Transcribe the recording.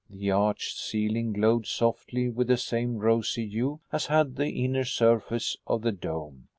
The arched ceiling glowed softly with the same rosy hue as had the inner surface of the dome.